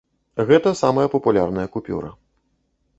Гэта самая папулярная купюра.